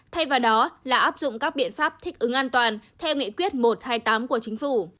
thay vào đó là áp dụng các biện pháp thích ứng an toàn theo nghị quyết một trăm hai mươi tám của chính phủ